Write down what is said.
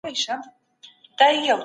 تاسو په خپلو معلوماتو کې نظم راولئ.